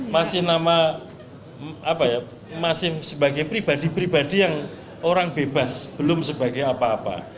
masih nama apa ya masih sebagai pribadi pribadi yang orang bebas belum sebagai apa apa